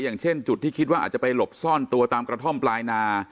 อย่างเช่นจุดที่คิดว่าอาจจะไปหลบซ่อนตัวตามกระท่อมปลายนา